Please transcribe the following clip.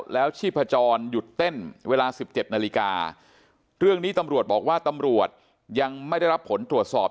แล้วชีพจรหยุดเต้นเวลาสิบเจ็ดนาฬิกาเรื่องนี้ตำรวจบอกว่าตำรวจยังไม่ได้รับผลตรวจสอบ